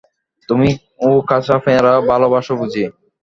তুমিও কাঁচা পেয়ারা ভালোবাস বুঝি ।